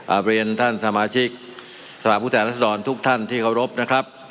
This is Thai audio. เรียนท่านสมาชิกสภาพผู้แทนรัศดรทุกท่านที่เคารพนะครับ